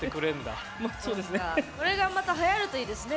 これが、またはやるといいですね